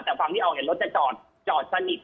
แต่ฝั่งที่ออกเห็นรถจะจอดจอดสนิท